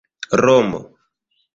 romo